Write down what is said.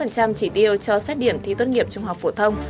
một mươi tám chỉ tiêu cho xét điểm thi tốt nghiệp trung học phổ thông